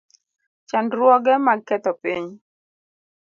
Chandruoge mag ketho piny